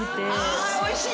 あおいしい。